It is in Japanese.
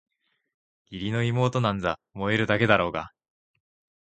義理の妹なんざ萌えるだけだろうがあ！